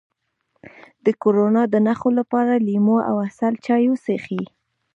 د کرونا د نښو لپاره د لیمو او عسل چای وڅښئ